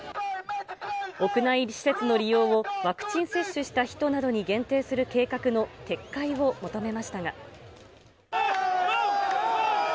屋内施設の利用をワクチン接種した人などに限定する計画の撤回を求めましたが。